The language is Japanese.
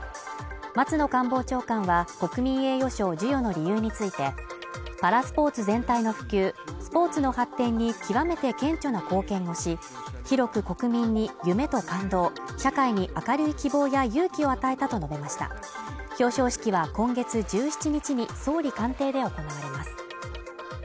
松野官房長官は国民栄誉賞授与の理由についてパラスポーツ全体の普及スポーツの発展に極めて顕著な貢献をし、広く国民に夢と感動社会に明るい希望や勇気を与えたと述べました表彰式は今月１７日に総理官邸で行われます。